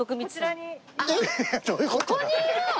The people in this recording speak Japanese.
ここにいるの！？